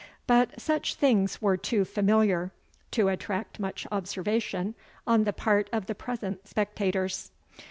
But such things were too familiar, to attract much observation on the part of the present spectators.